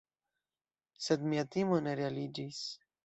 Sed mia timo ne realiĝis.